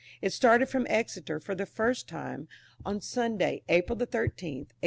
It started from Exeter for the first time on Sunday, April 13th, 1823.